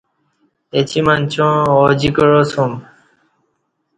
اچی منچاں آجی کعاسوم۔